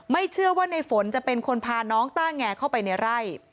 เชื่อว่าในฝนจะเป็นคนพาน้องต้าแงเข้าไปในไร่